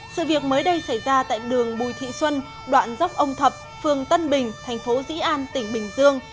sự việc mới đây xảy ra tại đường bùi thị xuân đoạn dốc ông thập phường tân bình thành phố dĩ an tỉnh bình dương